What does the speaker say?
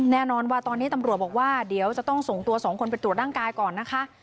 แน่นอนว่าตอนนี้ตำรวจบอกว่าเดี๋ยวจะต้องส่งตัวสองคนไปตรวจร่างกายก่อนนะคะ